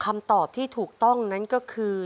คำตอบที่ถูกต้องนั้นก็คือ